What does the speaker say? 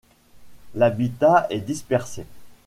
L'habitat est dispersé.